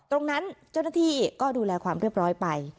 เจ้าหน้าที่ก็ดูแลความเรียบร้อยไป